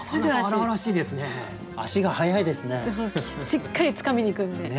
しっかりつかみにいくんで。